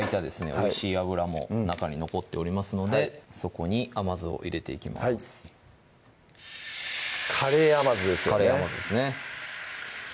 美味しい脂も中に残っておりますのでそこに甘酢を入れていきますカレー甘酢ですよねカレー甘酢ですね